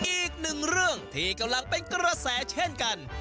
อีกหนึ่งเรื่องที่กำลังเป็นกระแสเช่นกัน